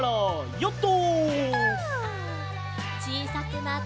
ヨット！